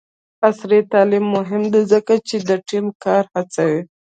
عصري تعلیم مهم دی ځکه چې د ټیم کار هڅوي.